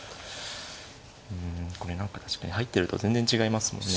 うんこれ何か入ってると全然違いますもんね。